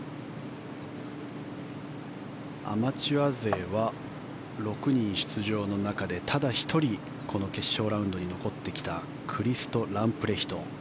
アマチュア勢は６人出場の中でただ１人この決勝ラウンドに残ってきたクリスト・ランプレヒト。